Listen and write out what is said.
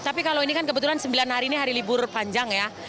tapi kalau ini kan kebetulan sembilan hari ini hari libur panjang ya